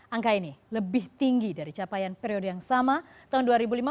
angka ini lebih tinggi dari capaian periode yang sama tahun dua ribu lima belas